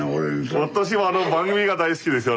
私はあの番組が大好きですよ